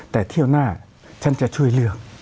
แต่เที่ยวหน้าฉันจะช่วยเลือก